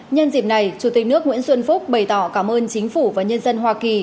nhân dịp này chủ tịch nước nguyễn xuân phúc bày tỏ cảm ơn chính phủ và nhân dân hoa kỳ